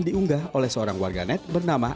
diunggah oleh seorang warga net bernama